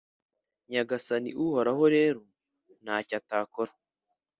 Nyagasani Uhoraho rero nta cyo atakora